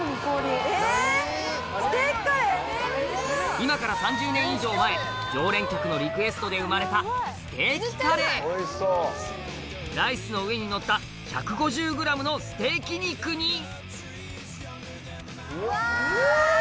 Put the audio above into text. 今から３０年以上前常連客のリクエストで生まれたライスの上にのった１５０ｇのステーキ肉にウ！